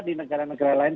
di negara negara lain